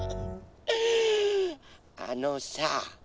あのさ